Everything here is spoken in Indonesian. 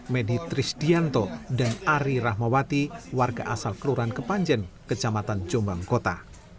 medi trisdianto dan ari rahmawati warga asal kelurahan kepanjen kecamatan jombang kota